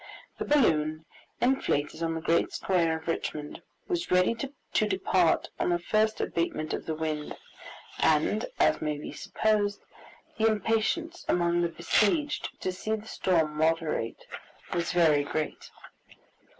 The balloon, inflated on the great square of Richmond, was ready to depart on the first abatement of the wind, and, as may be supposed, the impatience among the besieged to see the storm moderate was very great.